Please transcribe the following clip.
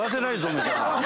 みたいな。